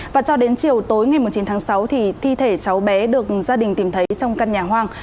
và cho đến chiều tối ngày chín tháng sáu thì thi thể cháu bé được gia đình tìm thấy trong căn nhà hoang